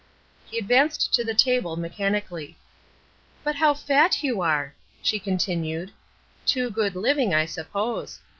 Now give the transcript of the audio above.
He advanced to the table mechanically. "But how fat you are!" she continued. "Too good living, I suppose.